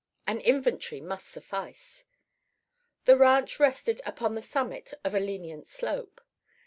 An inventory must suffice. The ranch rested upon the summit of a lenient slope.